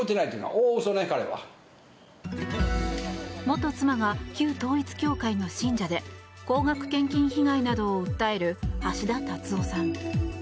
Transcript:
元妻が旧統一教会の信者で高額献金被害などを訴える橋田達夫さん。